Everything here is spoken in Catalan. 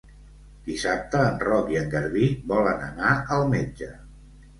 Dissabte en Roc i en Garbí volen anar al metge.